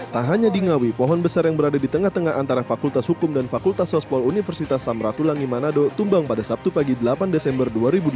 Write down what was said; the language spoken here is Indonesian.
tak hanya di ngawi pohon besar yang berada di tengah tengah antara fakultas hukum dan fakultas sospol universitas samratulangi manado tumbang pada sabtu pagi delapan desember dua ribu dua puluh